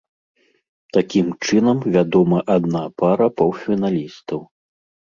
Такім чынам вядома адна пара паўфіналістаў.